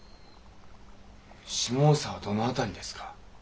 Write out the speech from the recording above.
下総はどの辺りですか？